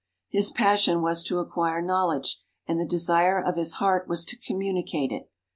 His passion was to acquire knowledge, and the desire of his heart was to communicate it.